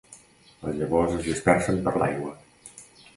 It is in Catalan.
Les llavors es dispersen per l'aigua.